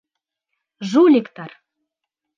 Жуликтар!..